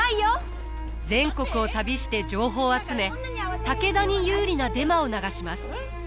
全国を旅して情報を集め武田に有利なデマを流します。